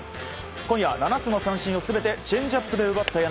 今夜７つの三振を全てチェンジアップで奪った柳。